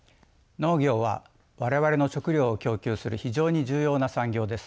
農業は我々の食料を供給する非常に重要な産業です。